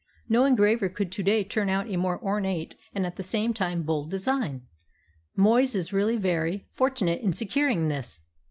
No engraver could to day turn out a more ornate and at the same time bold design. Moyes is really very fortunate in securing this.